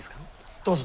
どうぞ。